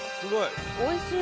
おいしい！